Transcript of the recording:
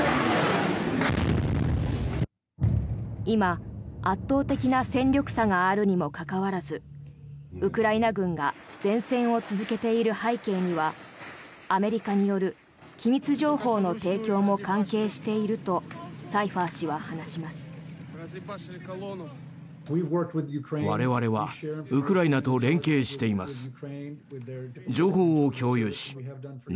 今、圧倒的な戦力差があるにもかかわらずウクライナ軍が善戦を続けている背景にはアメリカによる機密情報の提供も関係しているとサイファー氏は話します。